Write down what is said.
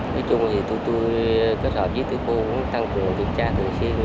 nói chung thì tụi tôi kết hợp với tựa khu cũng tăng trường kiểm tra thường xuyên